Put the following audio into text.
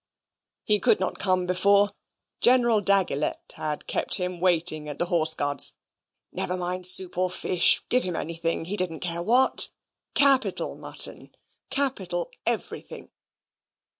"He could not come before. General Daguilet had kept him waiting at the Horse Guards. Never mind soup or fish. Give him anything he didn't care what. Capital mutton capital everything."